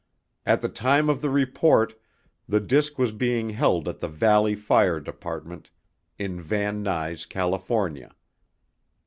At the time of the report the disc was being held at the Valley Fire Department in Van Nuys, California.